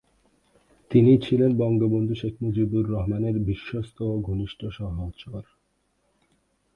তিনি ছিলেন বঙ্গবন্ধু শেখ মুজিবুর রহমানের বিশ্বস্ত ও ঘনিষ্ঠ সহচর।